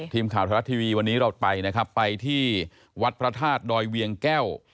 ทีมข่าวไทยรัฐทีวีวันนี้เราไปนะครับไปที่วัดพระธาตุดอยเวียงแก้ว